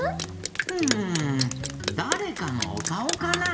うんだれかのおかおかな？